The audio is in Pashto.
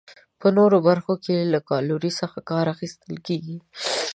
په نورو برخو کې له کالورۍ څخه کار اخیستل کیږي.